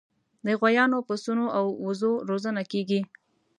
د غویانو، پسونو او وزو روزنه کیږي.